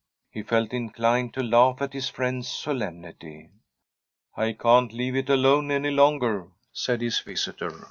He felt inclined to laugh at his friend's solem nity. ' I can't leave it alone any longer,' said his visitor.